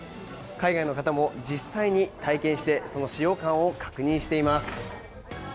海外の方も実際に体験してその使用感を確認しています。